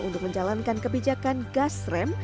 untuk menjalankan kebijakan gas rem